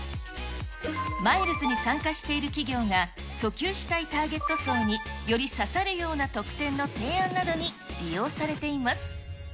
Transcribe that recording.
マイルズに参加している企業が、訴求したいターゲット層により刺さるような特典の提案などに利用されています。